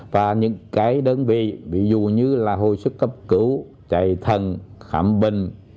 và những cái đơn vị ví dụ như là hồi sức cấp cứu chạy thần khám bệnh